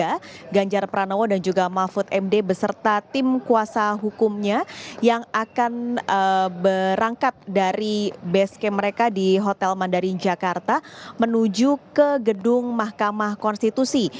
ganjar pranowo dan juga mahfud md beserta tim kuasa hukumnya yang akan berangkat dari base camp mereka di hotel mandarin jakarta menuju ke gedung mahkamah konstitusi